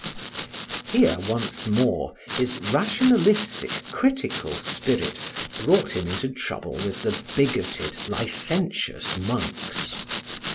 Here once more his rationalistic, critical spirit brought him into trouble with the bigoted, licentious monks.